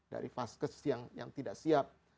dari vaskes yang tidak siap